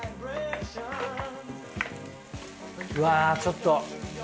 うわぁちょっと。